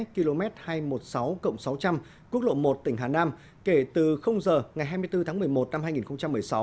km hai trăm một mươi sáu cộng sáu trăm linh quốc lộ một tỉnh hà nam kể từ giờ ngày hai mươi bốn tháng một mươi một năm hai nghìn một mươi sáu